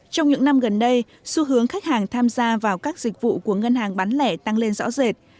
trong những năm gần đây xu hướng khách hàng tham gia vào các dịch vụ của ngân hàng bán lẻ tăng lên rõ rệt